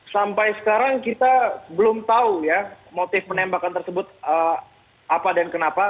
sampai sekarang kita belum tahu ya motif penembakan tersebut apa dan kenapa